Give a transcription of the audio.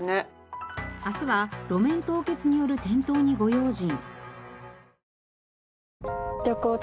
明日は路面凍結による転倒にご用心。